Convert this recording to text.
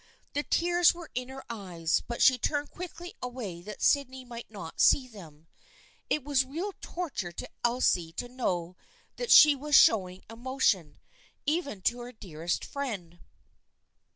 The tears were in her eyes, but she turned quickly away that Sydney might not see them. It was real torture to Elsie to know that she was showing emotion, even to her dearest friend.